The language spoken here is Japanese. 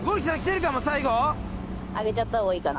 上げちゃったほうがいいかな。